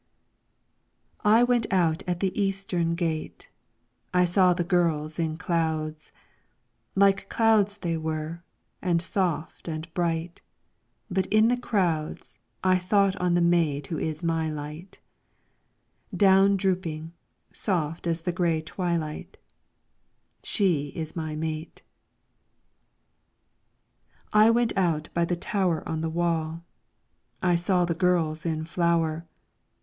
I WENT out at the Eastern Gate, I saw the girls in clouds, Like clouds they were, and soft and bright. But in the crowds I thought on the maid who is my light, Down drooping, soft as the grey twilight; She is my mate. I went out by the Tower on the Wall, I saw the girls in flower.